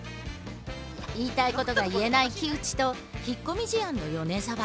言いたいことが言えない木内と引っ込み思案の米沢。